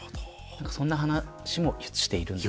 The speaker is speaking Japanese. そんな話もしているんです。